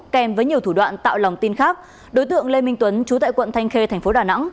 kèm với nhiều thủ đoạn tạo lòng tin khác đối tượng lê minh tuấn chú tại quận thanh khê thành phố đà nẵng